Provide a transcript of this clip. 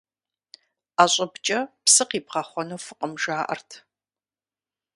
Ӏэ щӀыбкӀэ псы къибгъэхъуэну фӀыкъым, жаӀэрт.